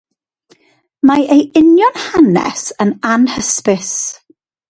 Mae ei union hanes yn anhysbys.